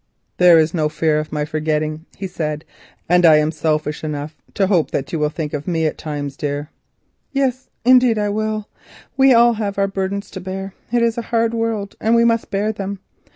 "There is no fear of my forgetting," he said, "and I am selfish enough to hope that you will think of me at times, Ida." "Yes, indeed I will. We all have our burdens to bear. It is a hard world, and we must bear them.